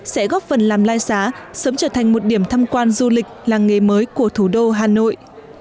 sẽ góp phần làm lai xá sớm trở thành một điểm thăm quan du lịch làng nghề mới của thủ đô hà nội